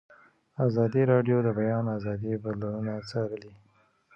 ازادي راډیو د د بیان آزادي بدلونونه څارلي.